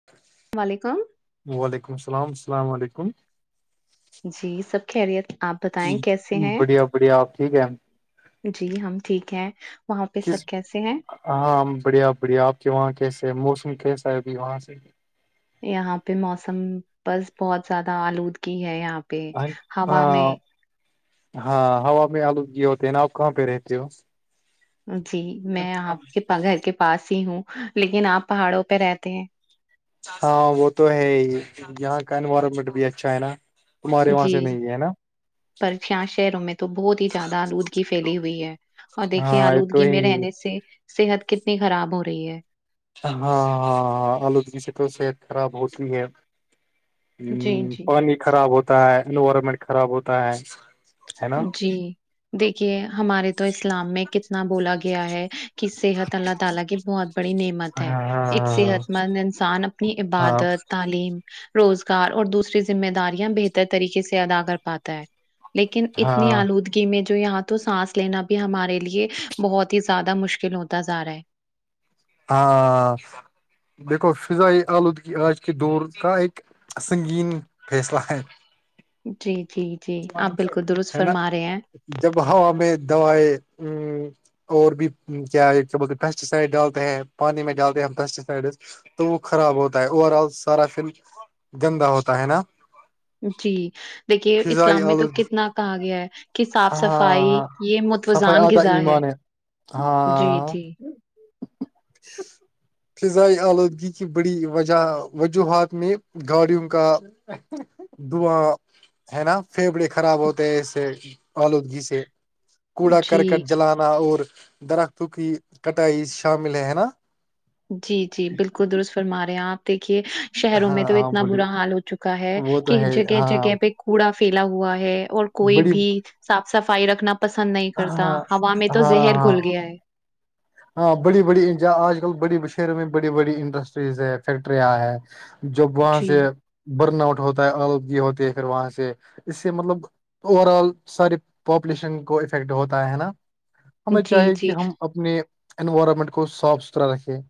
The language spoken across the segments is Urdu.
[unintelligible] وعلیکم وعلیکم السلام السلام علیکم جی سب خیریت آپ بتائیں کیسے ہیں بڑھیا بڑھیا آپ ٹھیک ہے جی ہم ٹھیک ہیں وہاں پہ سب کس کیسے ہیں ہاں بڑھیا آپ بڑھیا آپ کے وہاں کیسے ہے موسم کیسا ہے ابھی وہاں سے یہاں پہ موسم بس بہت زیادہ آلودگی ہے یہاں پہ ہوا میں ہاں ہاں ہوا میں آلودگی ہوتے ہیں نا آپ کہاں پہ رہتے ہو جی میں آپ کے گھر کے پاس ہی ہوں لیکن آپ پہاڑوں پہ رہتے ہیں ہاں وہ تو ہے یہاں کا انوائرمنٹ بھی اچھا ہے نا تمہارے وہاں جی سے نہیں ہے نا پر چیااں شہروں میں تو بہت ہی زیادہ آلودگی پھیلی ہوئی ہے اور دیکھیے ہاں یہ تو آلودگی میں ہی رہنے سے صحت کتنی خراب ہو رہی ہے ہاں ہاں آلودگی سے تو صحت خراب ہوتی ہے جی ہ جی پانی خراب ہوتا ہے انوائرمنٹ خراب ہوتا ہے ہے نا جی دیکھیے ہمارے تو اسلام میں کتنا بولا گیا ہے اس صحت اللہ تعالی کے بہت بڑی نعمت ہاں ہے ہاں ایک صحت مند انسان اپنی ہاں ہاں عبادت تعلیم روزگار اور دوسری ذمہ داریاں بہتر طریقے سے ادا کر پاتا ہے لیکن اتنی ہاں آلودگی میں جو یہاں تو سانس لینا بھی ہمارے لیے بہت ہی زیادہ مشکل ہوتا جا رہا ہے ہاں دیکھو فضائی آلودگی آج کے دور کا اک سنگین فیصلہ ہے جی جی جی آپ بالکل درست ہے نا فرما رہے ہیں جب ہوا میں دوائ اور بھی کیا کیا بول پیسٹی سائڈ ڈال پانی میں جاتے ہیں پیسٹیسائڈ تو وہ خراب ہوتا ہے اوور آل سارا پھر گندا ہوتا ہے نا جی دیکھیے فضائی اسلام میں تو آلودگی کتنا کہا گیا ہے کہ صاف ہاں صفائی ہاں یہ صفائی متوزان آدھا غذا ہے ایمان جی ہاں جی [unintelligible] فضائی آلودگی کی بڑی وجہ وجوہات میں گاڑیوں کا دعا ہے نا پھیپڑے خراب ہوتے ہیں اس سے آلودگی سے کوڑا جی، کرکٹ جلان اور درختوں کی کٹائی شامل ہے ہے نا جی جی بالکل درست فرما رہے ہیں آپ دیکھیے شہروں ہاں میں تو ہاں اتنا بولیے برا حال ہو چکا ہے وہ تو کہ ہے جگہ ہاں جگہ پہ کوڑا پھیلا ہوا ہے اور کوئی بڑی بھی صاف صفائی رکھنا پسند نہیں ہاں کرتا ہوا میں تو ہاں زہر ہاں گھل گیا ہے ہاں بڑی بڑی آج کل بڑے شہروں میں بی بڑی انڈسٹریز ہے فیکٹرں ہیں جب وہاں جی، سے برن آؤٹ ہوتا ہے آلودگی ہوتی ہے پھر وہاں سے اس سے مطلب تو اوور آل سارے پاپولیشن کو افیکٹ ہوتا ہے نا ہمیں جی، چاہیے کہ جی، ہم اپنے انوائرمنٹ کو صاف ستھرا رکھیں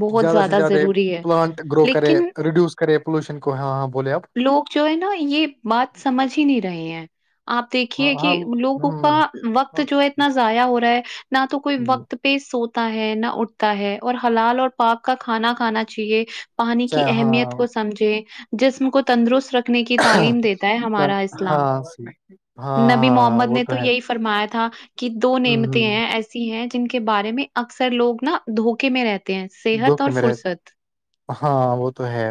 بہت زیادہ سے زیادہ ضروری ہے پلانٹ گرو کرے لیکن ریڈیوس کرے پولوشن کواں بولے آپ لوگ جو ہے نا یہ بات سمجھ ہی نہیں رہے ہیں آپ ہاں دیکھیے کہ ہاں لوگوں کا وقت ہ جو ہے اتنا ضائع ہو رہا ہے نہ تو کوئی وقت پہ سوتا ہے نہ اٹھتا ہے اور حلال اور پاپ کا کھانا کھانا چاہیے پانی چ کی ہاں اہمیت کو سمجے جسم کو تندرست رکھ کی تعلیم دیتا ہے ہمارا اسلام ہاں ہاں نبی ہاں محمد وہ نے تو ہے یہی فرمایا تھا کہ دو نیمتے ہ ہیں ایسے سی ہیں جن کے بارے میں اکثر لوگ نا دھوکے میں رہتے ہیں صحت دکھ اور ہے میرے فرصت ہاں وہ تو ہے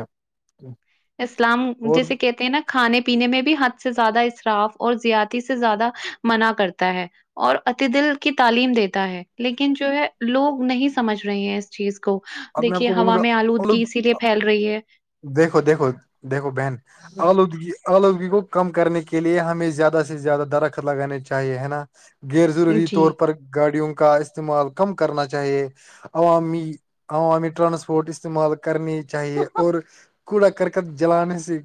اسلام اور جیسے کہتے ہیں نا کھانے پینے میں بھی حد سے زیادہ اراف اور زیاتی سے زیادہ منع کرتا ہے اور عت دل کی تعلیم دیتا ہے لیکن جو ہے لوگ نہیں سمجھ رہے ہیں چیز کو اب میں آپ دیکھیے کو بولوں ہوا گا میں الد آلودگی اسی لیے پھیل رہی ہے دیکھو دیکھو دیکھو بہن آلودگی آلودگی کو کم کرنے کے لیے ہمیں زیادہ سے زیادہ درخت لگانے چاہیے ہے نا غیر ضروری جی طور پر گاڑیوں کا استعمال کم کرنا چاہیے عوامی عوامی ٹرانسپورٹ استعمال کرنی چاہیے اور کوڑا کرکت جلان سے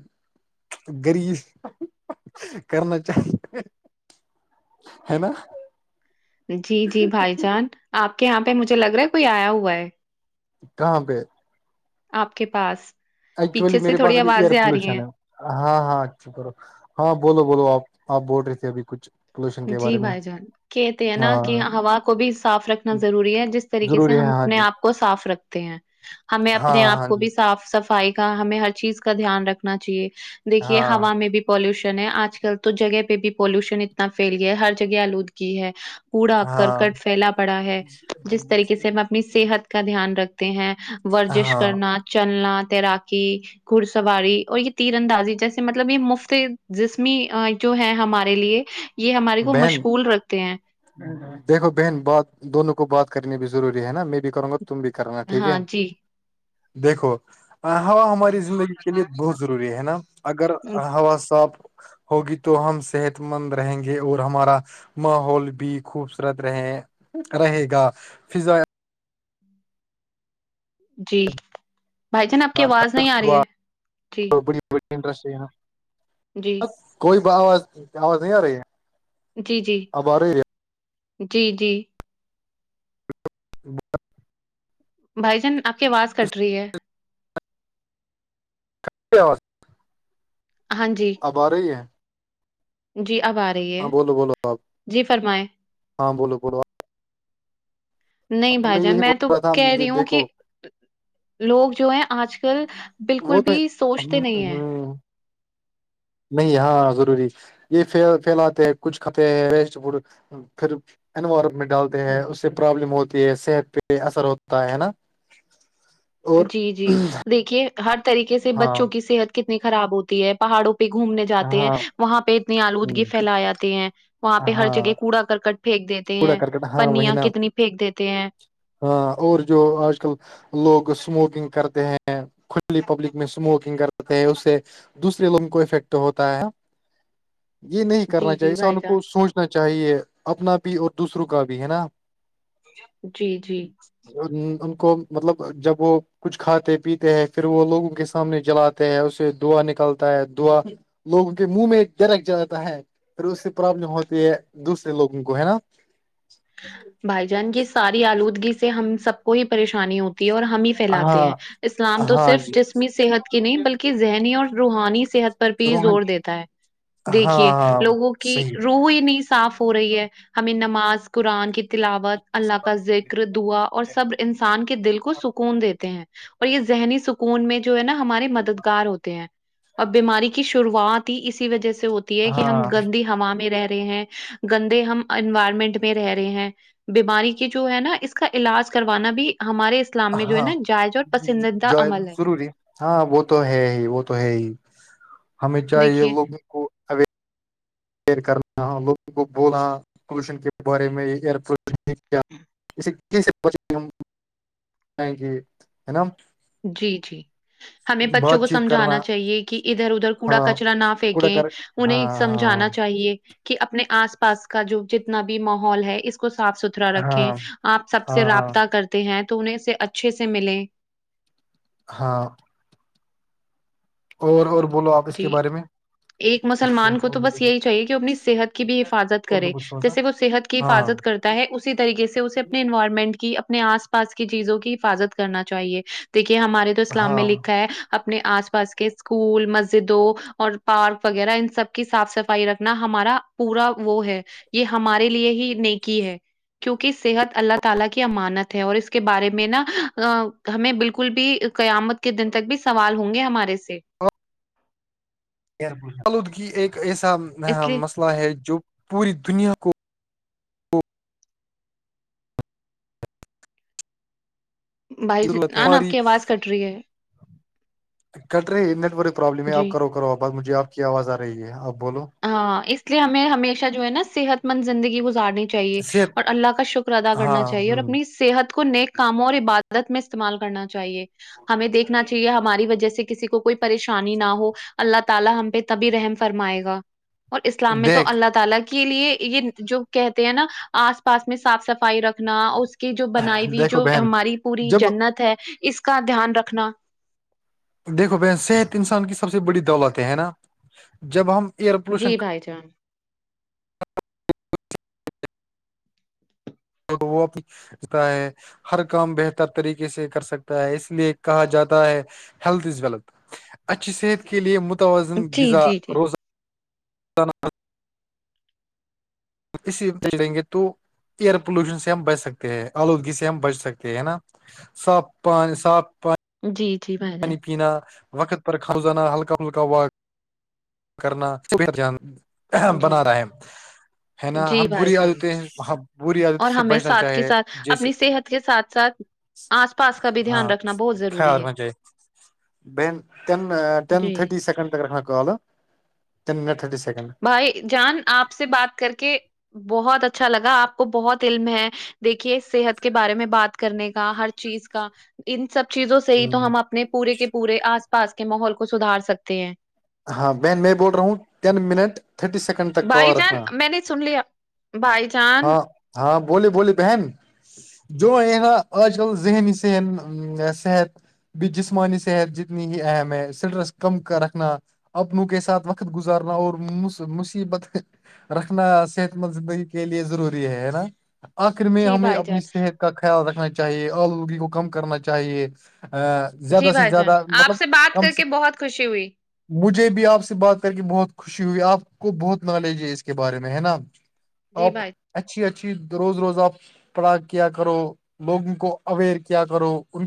گریب کرنا چاہے ہے نا جی جی بھائی جان آپ کے یہاں پہ مجھے لگ رہا ہے کوئی آیا ہوا ہے کہاں پہ آپ کے پاس پیچھے ایکچولی سے میرے پاس تھوڑی ابھی ایئر آوازیں آ رہی پولوشن ہیں ہے ہاں ہاں اچھا کرو ہاں بولو بولو آپ آپ بول رہے تھے ابھی کچھ پولوشن کے جی بارے میں بھائی جان کہتے ہیں نا کہ ہاں ہوا کو بھی صاف رکھنا ضروری ہے جس طریقے سے ضروری ہے ہم ہاں اپنے جی آپ کو صاف رکھتے ہیں ہمیں ہاں اپنے آپ ہاں کو جی بھی صاف صفائی ہمیں ہر چیز کا دھیان رکھنا چاہیے دیکھیے ہاں ہوا میں بھی پالوشن ہے آج کل تو جگہ پہ بھی پالوشن اتنا فھیل گیا ہے ہر جگہ آلودگی ہے پڑا ہاں کرکٹ پھیلا پڑا ہے جس طریقے سے ہم اپنی صحت کا دھیان رکھتے ہیں ورزش ہاں کرنا چلنا تیراکی گھڑ سواری اور یہ تیر اندازی جیسے مطلب یہ مفت جسمی جو ہے ہمارے لیے یہ ہمارے کو بہن مشغول رکھتے ہیں دیکھو بہن بات دونوں کو بات کرنی بھی ضروری ہے نا میں بھی کروں گا تم بھی کرنا ٹھیک ہاں ہے جی دیکھو ہوا ہماری زندگی کے لیے بہت ضروری ہے نا اگر ہوا صاف ہوگی تو ہم صحت مند رہیں گے اور ہمارا ماحول بھی خوبصورت رہے رہے گا فضا جی بھائی جان آپ کی آواز نہیں آ رہی ہے جی ڑیٹرسٹا [inaudible] جی کوئی آواز آواز نہیں آ رہی ہے جی جی اب آ رہی جی جی تو [inaudible] بھائی جان آپ کی آواز کٹ رہی ہے ا [inaudible] ہاں جی اب آ رہی ہے جی آواز ہاں بولو بولو آاب ہاں بولو بو آ نہیں بھائی جان یہی میں بول تو رہا تھا کہہ مجھے، رہی ہوں کہ دیکھو لوگ جو ہے آج کل بالکل وہ تو بھی سوچتے ہم- نہیں ہیں [inaudible] نہیں ہاں ضروری یہ پھیلاتے ہیں کچھ کھاتے ہیں ویسٹ ف خھر انوائرمنٹ ڈالتے ہیں اس سے پرابلم ہوتی ہے صحت پہ اثر ہوتا ہے نا [inaudible] جی جی دیکھیے ہر طریقے سے ہاں بچوں کی صحت کتنی خراب ہوتی ہے پہاڑوں پہ گھومنے جاتے ہیں ہاں وہاں پہ اتنی ہوں، آلودگی پھیل جے ہیں وہاں پہ ہر جگہ ہاں کوڑا کرک پھینک دیتے کوڑا ہیں کرکٹ ہاں وہی پنیا نا کتنی پھینک دیتے ہیں ہاں اور جو آج کل لوگ اسموکنگ کرتے ہیں کلی پبلک میں اسموکنگ کرتے ہیں اسے دوسرے لوگوں کو افیکٹ ہوتا ہے یہ نہیں کرنا جی، چاہیے جی بھائی انسان جان، کو سوچنا چاہیے اپنا بھی اور دوسروں کا بھی ہے نا جی جی ان کو مطلب جب وہ کچھ کھاتے پیتے ہیں پھر وہ لوگوں کے سامنے جلاتے اس سے دوا نکلتا ہے دوا لوگوں کے منہ میں درک جاتا ہے پھر اس سے پرابلم ہوتی ہے دوسرے لوگوں کو ہے نا اچ [inaudible] بھائی جان کی ساری آلودگی سے ہم سب کو ہی پریشانی ہوتی ہے اور ہمیں پھیلاتے ہاں ہیں اسلام تو ہاں صرف جی جسمی صحت کی نہیں بلکہ ذہنی اور روحانی صحت پر بھی روہن زور دیتا ہے ہاں دیکھیے ہاں لوگوں کی صحیح روح ہی نہیں صاف ہو رہی ہے ہمیں نماز قرآن کی تلاوت اللہ کا ذکر دعا اور سب انسان کے دل کو سکون دیتے ہیں اور یہ ذہنی سکون میں جو ہے نا ہمارے مددگار ہوتے ہیں اب بیماری کی شروعات ہی اسی وجہ سے ہوتی ہے کہ ہم ہاں گندی ہوا میں رہ رہے ہیں گندے ہم انوائرمنٹ میں رہ رہے ہیں بیماری کے جو ہے نا اس کا علاج کروانا بھی ہمارے اسلام میں جو ہے ہاں نا جائز اور پسندیدہ جو عمل ہے ضروری ہاں وہ تو ہے ہی وہ تو ہے ہی ہمیں چاہیے دیکھیے لوگ نا لوگوں کو بولا پولوشن کے بارے میں ایئر اس یں ہے نا جی جی ہمیں بچوں بات کو چیت کرنا سمجھانا چاہیے کہ ادھر ادھر کوڑا ہاں کچرا نہ کوڑا پھینکیں کر انہیں ہاں سمجھانا چاہیے کہ اپنے آس پاس کا جو جتنا بھی ماحول ہے اس کو صاف ستھرا ہاں رکھیں ہاں آپ سب سے ہاں رابطہ کرتے ہیں تو انہیں اس سے اچھے سے ملے ہاں اور اور بولو آپ اس کے جی۔ بارے میں ایک مسلمان کو تو بس یہی چاہیے کہ وہ اپنی صحت کی بھی حفاظت کرے اردو بچوسا جیسے وہ صحت کی ہاں حفاظت کرتے ہے اسی طریقے سے اسے اپنے انوائرمنٹ کی اپنے آس پاس کی چیزوں کی حفاظت کرنا چاہیے دیکھیے ہمارے تو اسلام میں ہاں لکھا ہے اپنے آس پاس کے اسکول م دو اور پارک وغیرہ ان سب کی صاف صفائی رکھنا ہمارا پورا وہ ہے یہ ہمارے لیے ہی نیکی ہے [unintelligible] ہمیں بالکل بھی قیامت کے دن تک بھی سوال ہوں گے ہمارے سے آلودگی ایک ایسا اس لیے مسئلہ ہے جو پوری دنیا کو ھ ضرورت ہے آ ن آپ ہماری کی آواز کٹ رہی ہے کٹ رہے نیٹورک پرابلم ہے آپ جی کرو کرو آ بات مجھے آپ کی آواز آ رہی ہے آپ بولو ہاں اس لیے ہمیں ہمیشہ جو ہے نا صحت مند زندگی گزارنی چاہیے صحت اور اللہ کا شکر ادا کرنا ہاں چاہیے اور ہ اپنی صحت کو نیک کاموں اور عبادت میں استعمال کرنا چاہیے ہمیں دیکھنا چاہیے ہماری وجہ سے کسی کو کوئی [unintelligible] دیکھ [unintelligible] کے لیے یہ جو کہتے ہیں نا آس پاس میں صاف صفائی رکھنا اس کہ جو بنائی ہوئی دیکھو جو بہن ہماری پوری جب جنت ہے اس کا دھیان رکھنا دھو بہن صحت انسان کی سب سے بڑی دولت ہے نا جب ہم ایئر پولوشن کر ک جان [unintelligible] چ [inaudible] تو تو وہتا ہے ہر کام بہتر طریقے سے کر سکتا ہے اس لیے کہا جاتا ہے ہیلتھ از ویل اچھی صحت کے لیے متوازن جی غذا جی جی روزہ اس دیں گے تو ایئر پولوشن سے ہم بچ سکتے ہیں آلودگی سے ہم بچ سکتے ہیں نا سب پانی سا پانی جی جی بھائی جان پانی پینا وقت پر کمزانا ہلکا ہلکا و کرنا جی بنا رہا ہے ہے نا ہم جی بھائی بری جان عادتیں ہم بری عادت اور سے ہمیں بچنا ساتھ کے چاہے ساتھ جیسے اپنی صحت کے ساتھ ساتھ آس پاس کا بھی دھیان ہاں رکھنا بہت کیا ضروری اور ہے منجے ب ین ن جی تھٹی سیکنڈ تک کرکھا کال تین منٹ تھرٹی سیکنڈ بھائی جان آپ سے بات کر کے بہت اچھا لگا آپ کو بہت علم ہے دیکھیے صحت کے بارے میں بات کرنے کا ہر چیز کا ان سب چیزوں سے ہی تو ہوں ہم اپنے پورے کے پورے آس پاس کے ماحول کو سدھار سکتے ہیں ہاں بہن میں بول رہا ہوں ٹین منٹ تھرٹی سیکنڈ تک بھائی کال جان رکھنا میں نے سن لیا بھائی جان ہاں ہاں بولی بولی بہن جو ہے نا آج کل ذہنی ہن ا صحت بھی جسمانی صحت جتنی ہی اہم ہے اسٹرس کم کا رکھنا اپنوں کے ساتھ وقت گزارنا اور مصیبت رکھنا صحت مند زندگی کے لیے ضروری ہے ہے نا آخر میں جی ہمیں بھائی اپنی جان صحت کا خیال رکھنا چاہیے آلودگی کو کم کرنا چاہیے ا جی زیادہ سے بھائی جان زیادہ آپ مطلب سے بات کم کر سے کے بہت خوشی ہوئی مجھے بھی آپ سے بات کر کے بہت خ خوشی ہوئی آپ کو بہت نالج ہے اس کے بارے میں ہے نا جی آپ بھائی اچھی اچھی روز روزہ پڑھا کیا کرو لوگوں کو اویئر کیا کرو ان